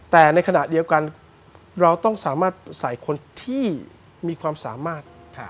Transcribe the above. แต่ในขณะเดียวกันเราต้องสามารถใส่คนที่มีความสามารถ